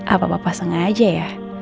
apa bapak sengaja ya